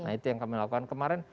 nah itu yang kami lakukan kemarin